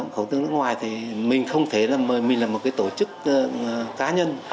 khẩu từ nước ngoài thì mình không thể mình là một cái tổ chức cá nhân